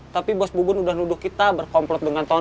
tapi bos bugun udah nuduh kita berkomplot dengan tony